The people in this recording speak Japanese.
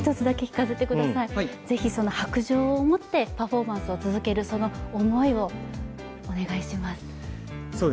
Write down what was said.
一つ、是非その白杖をもってパフォーマンスを続けるその思いをお願いします。